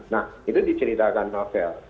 nah itu diceritakan novel